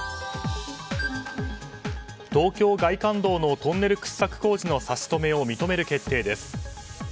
東京外環道のトンネル掘削工事の差し止めを認める決定です。